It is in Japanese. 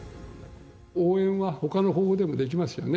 応援はほかの方法でもできますよね。